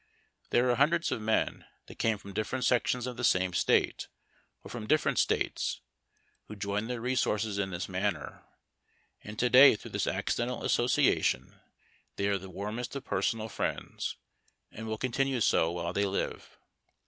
There are hundreds of men that came from different sections of tlie same State, or from different States, who joined their resources in this manner, and to day through this accidental association they are the warmest of personal friends, and will continue so while tliey live.